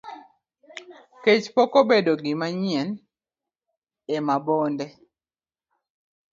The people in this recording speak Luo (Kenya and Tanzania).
Kech pok obedo gimanyien e Mabonde.